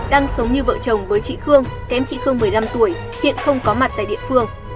đang sống như vợ chồng với chị khương kém chị khương một mươi năm tuổi hiện không có mặt tại địa phương